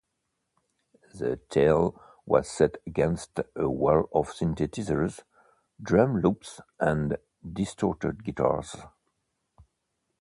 The tale was set against a wall of synthesizers, drum loops and distorted guitars.